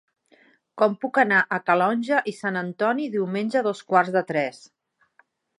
Com puc anar a Calonge i Sant Antoni diumenge a dos quarts de tres?